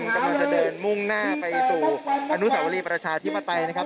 กำลังจะเดินมุ่งหน้าไปสู่อนุสาวรีประชาธิปไตยนะครับ